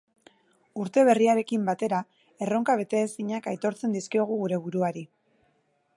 Urte berriarekin batera erronka bete-ezinak aitortzen dizkiogu gure buruari.